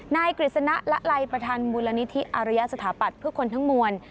กฤษณะละลัยประธานมูลนิธิอารยสถาปัตย์เพื่อคนทั้งมวล